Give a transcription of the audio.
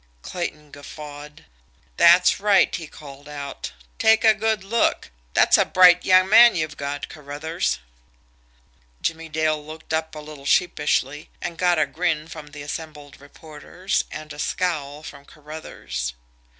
Clayton guffawed. "That's right!" he called out. "Take a good look. That's a bright young man you've got, Carruthers." Jimmie Dale looked up a little sheepishly and got a grin from the assembled reporters, and a scowl from Carruthers.